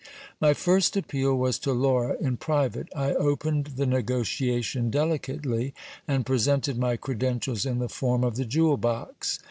My first appeal was to Laura in private. I opened the negociation delicately, ; and presented my credentials in the form of the jewel box.